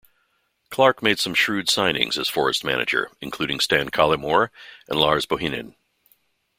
Clark made some shrewd signings as Forest manager, including Stan Collymore and Lars Bohinen.